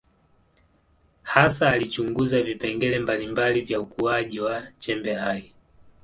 Hasa alichunguza vipengele mbalimbali vya ukuaji wa chembe hai.